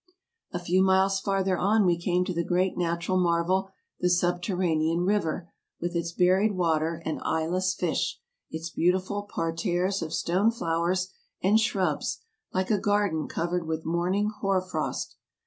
A few miles farther on we came to the great natural marvel, the subterranean river, with its buried water and eyeless fish, its beautiful parterres of stone flowers and AMERICA 67 shrubs, like a garden covered with morning hoar frost.